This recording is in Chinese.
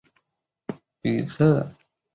吕克昂迪瓦。